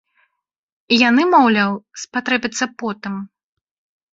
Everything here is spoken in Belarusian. Яны, маўляў, спатрэбяцца потым.